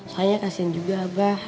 soalnya kasian juga abah